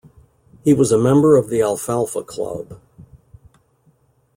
He was a member of the Alfalfa Club.